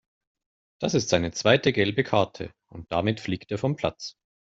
Das ist seine zweite gelbe Karte und damit fliegt er vom Platz.